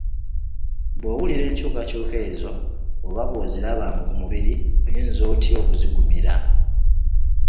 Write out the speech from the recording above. Bw'owulira enkyukakyuka ezo oba bw'oziraba ku mubiri oyinza otya okuzigumira?